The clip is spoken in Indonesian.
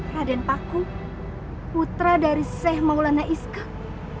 raden paku putra dari sheikh maulana iskak